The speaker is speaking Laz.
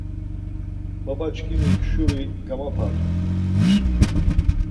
Baba-çkimi şuri gamapatxu.